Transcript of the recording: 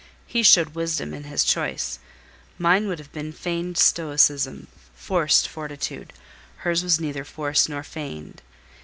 He showed wisdom in his choice. Mine would have been feigned stoicism, forced fortitude. Hers was neither forced nor feigned.